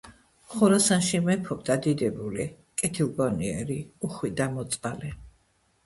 ხორასანში მეფობდა დიდებული, კეთილგონიერი, უხვი და მოწყალე